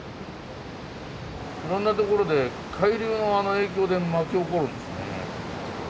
いろんな所で海流の影響で巻き起こるんですね。